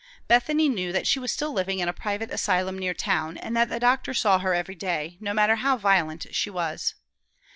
Bethany knew that she was still living in a private asylum near town, and that the doctor saw her every day, no matter how violent she was.